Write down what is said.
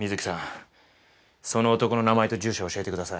その男の名前と住所教えてください。